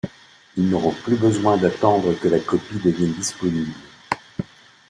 Ils n’auront plus besoin d’attendre que la copie devienne disponible.